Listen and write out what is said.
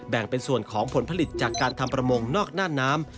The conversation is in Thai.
แบ่งเป็นส่วนของผลผลิตจากการทำประมงนอกหน้าน้ำ